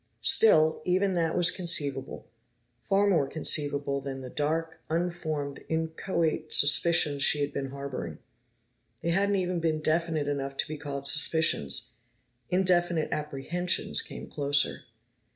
Still, even that was conceivable, far more conceivable than the dark, unformed, inchoate suspicions she had been harboring. They hadn't even been definite enough to be called suspicions; indefinite apprehensions came closer.